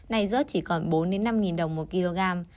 nay rớt chỉ còn bốn năm đồng mỗi kg